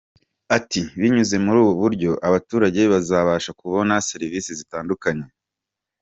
Ati” Binyuze muri ubu buryo abaturage bazabasha kubona serivisi zitandukanye.